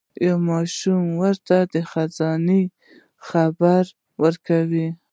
یو ماشوم ورته د خزانې خبر ورکوي.